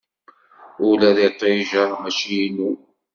Ula d iṭij-a mačči inu.